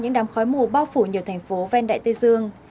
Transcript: những đám khói mù bao phủ nhiều thành phố ven đại tây dương